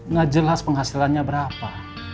nggak jelas penghasilannya berapa